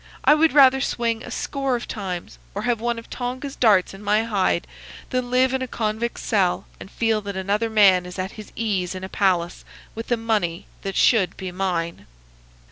I would rather swing a score of times, or have one of Tonga's darts in my hide, than live in a convict's cell and feel that another man is at his ease in a palace with the money that should be mine."